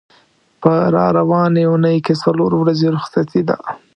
په را روانې اوونۍ کې څلور ورځې رخصتي ده.